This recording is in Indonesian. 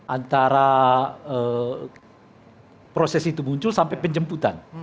antara proses itu muncul sampai penjemputan